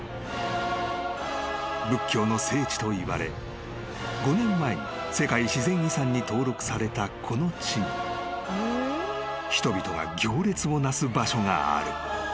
［仏教の聖地といわれ５年前に世界自然遺産に登録されたこの地に人々が行列をなす場所がある］